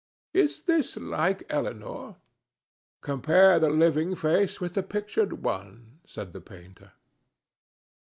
Is this like Elinor?" "Compare the living face with the pictured one," said the painter.